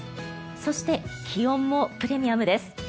そして、気温もプレミアムです。